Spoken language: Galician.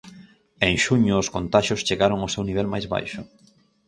En xuño, os contaxios chegaron ao seu nivel máis baixo.